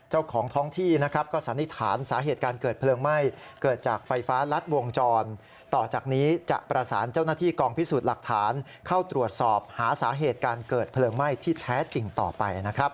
หาสาเหตุการเกิดเพลิงไหม้ที่แท้จริงต่อไปนะครับ